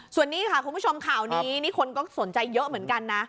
ส่วนนี้ค่ะคุณผู้ชมข่าวนี้นี่คนก็สนใจเยอะเหมือนกันนะ